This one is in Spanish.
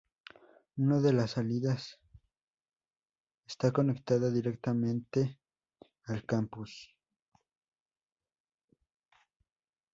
Uno de las salidas está conectada directamente al campus.